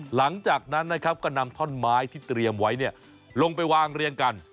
หลังจากนั้นนะครับก็นำท่อนไม้ที่เตรียมไว้ลงไปวางเรียงกัน